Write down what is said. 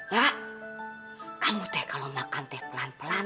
dia mengangkat lo sekolah sekarang